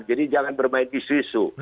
jadi jangan bermain isu isu